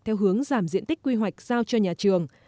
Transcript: theo hướng giảm diện tích quy hoạch giao cho nhà trường